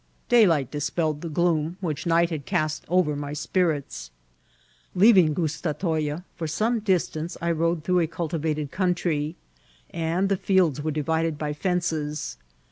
Daylight dispelled the gloom which night had cast APPHOACH TO aVATIMALA. 187 over my spirits. Leaving Gustatoya, for some distance I rode tlucough a onltivated oomntry, and the fields were divided by fences.